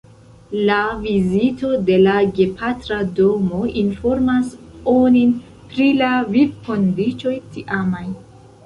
La vizito de la gepatra domo informas onin pri la vivkondiĉoj tiamaj.